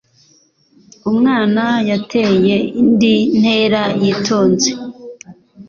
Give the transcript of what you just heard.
Umwana yateye indi ntera yitonze